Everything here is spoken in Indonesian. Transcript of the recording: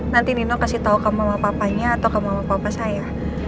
nanti nino kasih tahu ke mama papanya atau ke mama papa saya